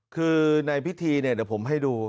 คือในพิธีเดี๋ยวผมให้ดู